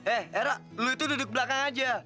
eh erak lo itu duduk belakang aja